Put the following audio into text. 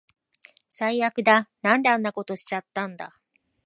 最悪だ。なんであんなことしちゃったんだ